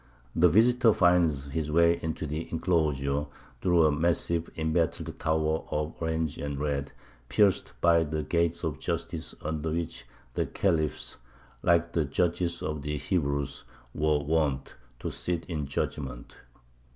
The visitor finds his way into the enclosure through a massive embattled tower of orange and red pierced by the Gate of Justice under which the khalifs, like the judges of the Hebrews, were wont to sit in judgment.